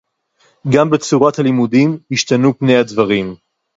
גַם בַּצוֹרֶת הַלִמוּדִים הִשְתַנוּ פְּנֵי הַדְבָרִים.